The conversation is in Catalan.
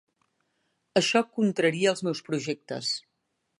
Això contraria els meus projectes.